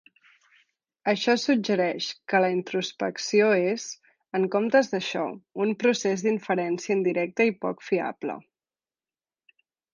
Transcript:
Això suggereix que la introspecció és, en comptes d'això, un procés d'inferència indirecte i poc fiable.